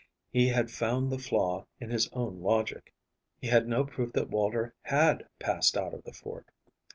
He had found the flaw in his own logic. He had no proof that Walter had passed out of the fort.